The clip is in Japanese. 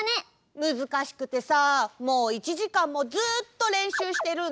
むずかしくてさもう１じかんもずっとれんしゅうしてるんだ！